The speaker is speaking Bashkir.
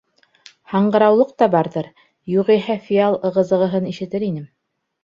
— Һаңғыраулыҡ та барҙыр, юғиһә фиал ығы-зығыһын ишетер инем.